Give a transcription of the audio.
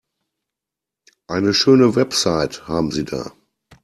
Eine schöne Website haben Sie da.